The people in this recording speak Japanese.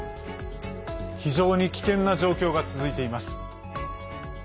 非常に危険な状況が続いています。